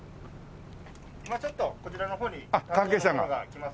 今ちょっとこちらの方に担当の者が来ますので。